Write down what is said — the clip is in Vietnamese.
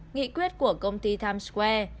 nghị quyết của công ty times square